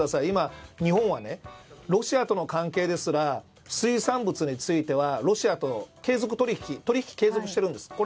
今、日本はロシアとの関係ですら水産物についてはロシアと取引継続しているんです。